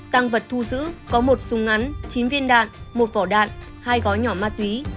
tăng vật thu giữ có một súng ngắn chín viên đạn một vỏ đạn hai gói nhỏ ma túy